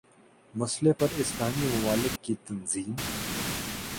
مسئلے پر اسلامی ممالک کی تنظیم